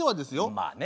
まあね。